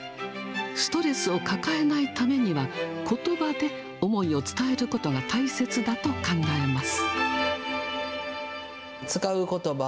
ストレスを抱えないためには、ことばで思いを伝えることが大切だと考えます。